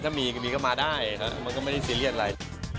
ถ้ามีก็มาได้มันก็ไม่ได้ซีเรียสอะไร